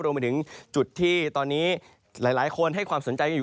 รวมไปถึงจุดที่ตอนนี้หลายคนให้ความสนใจอยู่